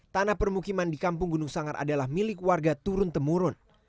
tanah permukiman di kampung gunung sanggar adalah milik warga turun temurun